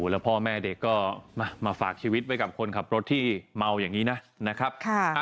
แล้วพ่อแม่เด็กก็มาฝากชีวิตไว้กับคนขับรถที่เมาอย่างนี้นะครับ